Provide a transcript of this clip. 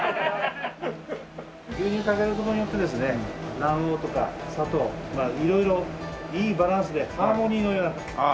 牛乳かける事によってですね卵黄とか砂糖まあ色々いいバランスでハーモニーのような。